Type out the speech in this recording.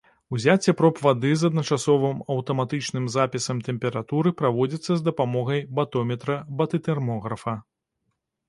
Узяцце проб вады з адначасовым аўтаматычным запісам тэмпературы праводзіцца з дапамогай батометра-батытэрмографа.